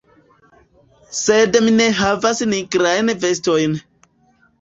Sed mi ne havas nigrajn vestojn.